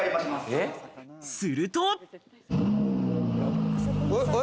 すると。